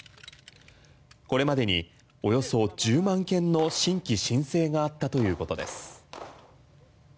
これまでにおよそ１０万件の新規申請があったということです。